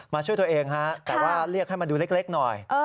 ช่วยตัวเองฮะแต่ว่าเรียกให้มาดูเล็กหน่อย